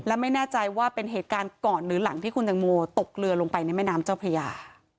และไม่แน่ใจว่าเป็นเหตุการณ์ก่อนหรือหลังที่คุณตังโมตกเรือลงไปในแม่น้ำเจ้าพระยา